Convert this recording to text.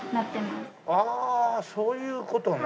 ああそういう事ね。